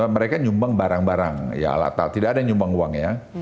mereka nyumbang barang barang ya alat tak tidak ada nyumbang uang ya